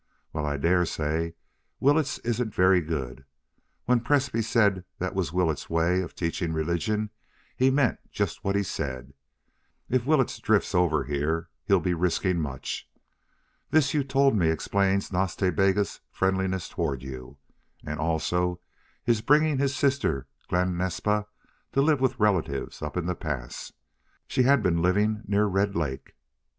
Well, I dare say Willetts isn't very good. When Presbrey said that was Willetts's way of teaching religion he meant just what he said. If Willetts drifts over here he'll be risking much.... This you told me explains Nas Ta Bega's friendliness toward you, and also his bringing his sister Glen Naspa to live with relatives up in the pass. She had been living near Red Lake."